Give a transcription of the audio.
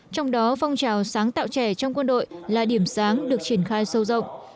trong đó phong trào sáng tạo trẻ trong quân đội là điểm sáng được triển khai sâu rộng